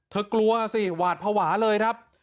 กลัวสิหวาดภาวะเลยครับ